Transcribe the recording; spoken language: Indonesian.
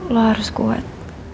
lo harus kuat